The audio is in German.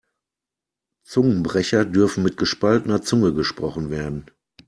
Zungenbrecher dürfen mit gespaltener Zunge gesprochen werden.